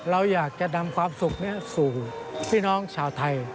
เราอยากจะนำความสุขนี้สู่พี่น้องชาวไทย